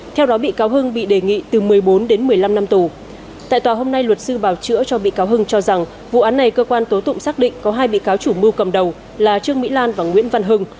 tại tòa hôm nay luật sư bảo chữa cho bị cáo hưng cho rằng vụ án này cơ quan tố tụng xác định có hai bị cáo chủ mưu cầm đầu là trương mỹ lan và nguyễn văn hưng